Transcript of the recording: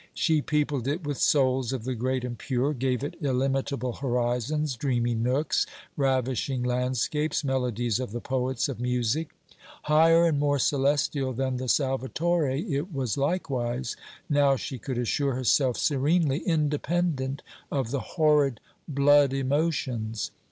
She peopled it with souls of the great and pure, gave it illimitable horizons, dreamy nooks, ravishing landscapes, melodies of the poets of music. Higher and more celestial than the Salvatore, it was likewise, now she could assure herself serenely, independent of the horrid blood emotions.